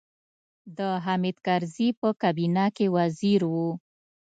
د حامد کرزي په کابینه کې وزیر و.